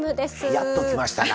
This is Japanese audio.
やっときましたな！